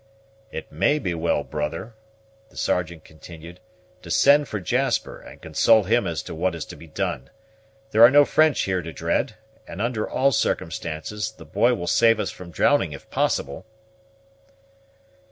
"It may be well, brother," the Sergeant continued, "to send for Jasper and consult him as to what is to be done. There are no French here to dread; and, under all circumstances, the boy will save us from drowning if possible."